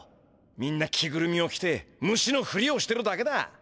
みんな着ぐるみを着てムシのふりをしてるだけだ。